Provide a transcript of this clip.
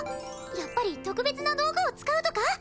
やっぱり特別な道具を使うとか？